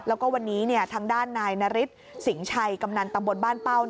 แล้วก็วันนี้ทางด้านนายนฤทธิสิงห์ชัยกำนันตำบลบ้านเป้า